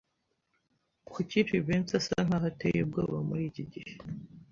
Kuki Jivency asa nkaho ateye ubwoba muri iki gihe?